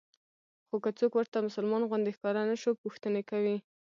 خو که څوک ورته مسلمان غوندې ښکاره نه شو پوښتنې کوي.